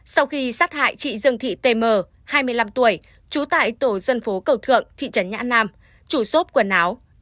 sau khi sát hại chị dương thị tm hai mươi năm tuổi trú tại tổ dân phố cầu thượng thị trấn nhã nam chủ xốp quần áo